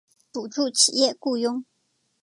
补助企业雇用